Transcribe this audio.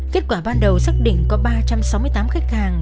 kết quả ban đầu xác định có ba trăm sáu mươi tám khách hàng